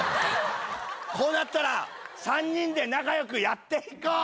こうなったら３人で仲良くやっていこう！